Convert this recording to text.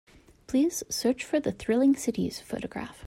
Please search for the Thrilling Cities photograph.